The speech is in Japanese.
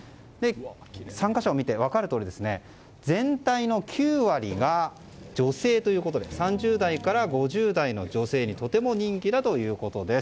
参加者を見て分かるとおり全体の９割が女性ということで３０代から５０代の女性にとても人気だということです。